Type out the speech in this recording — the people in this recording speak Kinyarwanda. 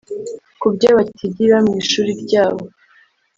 kubyo batigira mu ishuri ryabo